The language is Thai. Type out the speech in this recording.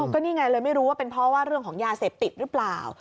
ก็นี่ไงเลยไม่รู้ว่าเป็นเพราะว่าเรื่องของยาเสพติดหรือเปล่า